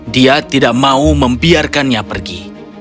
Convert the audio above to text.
dia tidak mau membiarkannya pergi